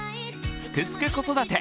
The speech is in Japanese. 「すくすく子育て」